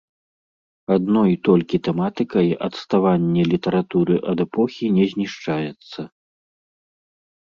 Адной толькі тэматыкай адставанне літаратуры ад эпохі не знішчаецца.